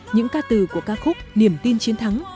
những ca từ của ca khúc niềm tin chiến thắng